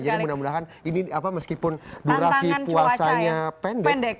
jadi mudah mudahan ini meskipun durasi puasanya pendek